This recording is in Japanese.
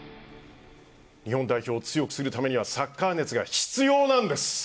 日本代表を強くするためにはサッカー熱が必要なんです。